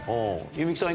弓木さん